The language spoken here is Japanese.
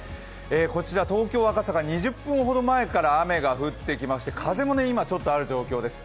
こちら東京・赤坂、２０分ほど前から雨が降ってきて風も今ちょっとある状況です。